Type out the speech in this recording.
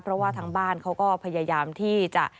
เพราะว่าทางบ้านเขาก็พยายามที่จะ